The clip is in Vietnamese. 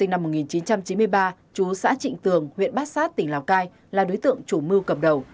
năm một nghìn chín trăm chín mươi ba chú xã trịnh tường huyện bát sát tỉnh lào cai là đối tượng chủ mưu cầm đầu